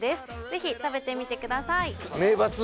ぜひ食べてみてくださいめいばつ